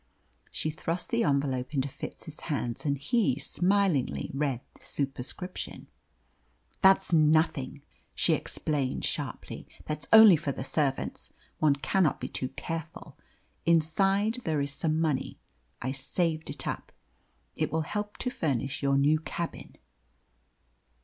She thrust the envelope into Fitz's hands, and he smilingly read the superscription. "That's nothing," she explained sharply; "that's only for the servants. One cannot be too careful. Inside there is some money. I saved it up. It will help to furnish your new cabin."